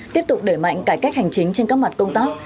tiếp tục đẩy mạnh cải cách hành chính trên các mặt công tác